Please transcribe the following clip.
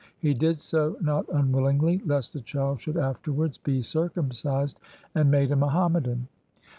He did so, not unwillingly, lest the child should afterwards be circumcised and made a Muhammadan.